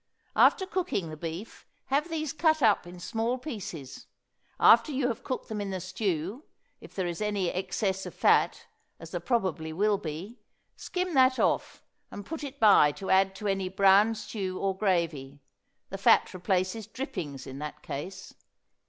After cooking the beef have these cut up in small pieces; after you have cooked them in the stew if there is any excess of fat, as there probably will be, skim that off and put it by to add to any brown stew or gravy; the fat replaces drippings in that case.